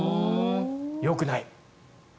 よくない。